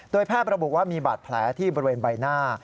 แพทย์ระบุว่ามีบาดแผลที่บริเวณใบหน้า